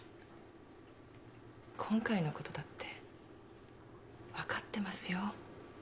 今回のことだって分かってますよ。